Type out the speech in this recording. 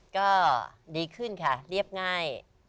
ก็ดีขึ้นค่ะเรียบง่าย